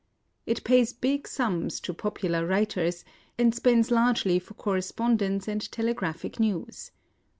It pays big sums to popular writers, and spends largely for correspondence and telegraphic news.